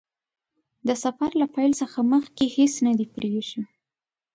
د سفر له پیل څخه مخکې هیڅ نه دي پرې ايښي.